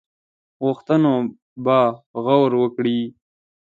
غوښتنو به غور وکړي.